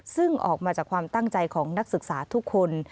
ซึ่งออกมาจากความตั้งใจของนักศึกษาทุกคน